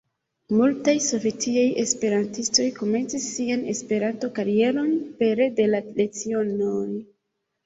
Multaj sovetiaj esperantistoj komencis sian Esperanto-karieron pere de la lecionoj.